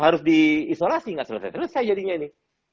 harus di isolasi nggak selesai selesai jadinya ini